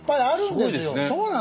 そうなの！